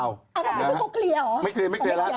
มันรู้ที่แกมีหารุกคุณ